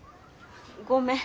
ごめん。